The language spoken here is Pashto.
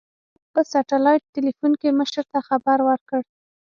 ما په سټلايټ ټېلفون کښې مشر ته خبر ورکړ.